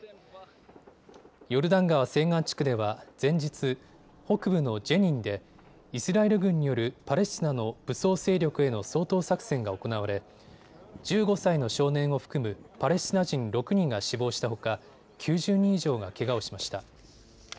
ヨルダン川西岸地区では前日、北部のジェニンでイスラエル軍によるパレスチナの武装勢力への掃討作戦が行われ１５歳の少年を含むパレスチナ人６人が死亡したほか９０人以上がけがをしました。